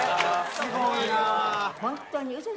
すごいな。